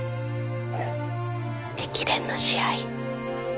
えっ？駅伝の試合。